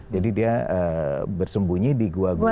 jadi dia bersembunyi di gua gua